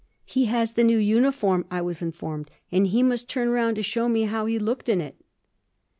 "He has the new uniform," I was informed, and he must turn round to show me how he looked in it.